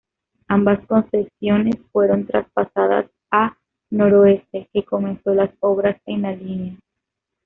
Ambas concesiones fueran traspasadas a Noroeste, que comenzó las obras en la línea.